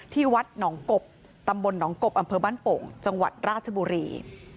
ที่วัดหนองกบตำบลหนองกบอำเภอบ้านโป่งจังหวัดราชบุรี